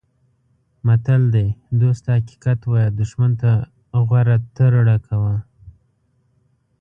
متل دی: دوست ته حقیقت وایه دوښمن ته غوره ترړه کوه.